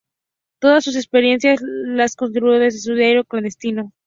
Todas sus experiencias las describió en su "Diario clandestino".